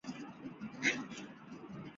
在鞍地大败齐军。